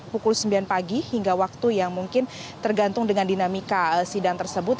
pukul sembilan pagi hingga waktu yang mungkin tergantung dengan dinamika sidang tersebut